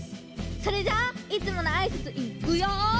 それじゃあいつものあいさついくよ！